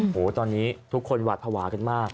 โอ้โหตอนนี้ทุกคนหวาดภาวะกันมาก